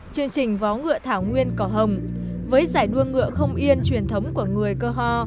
chương trình vó ngựa thảo nguyên cỏ hồng với giải đua ngựa không yên truyền thống của người cơ ho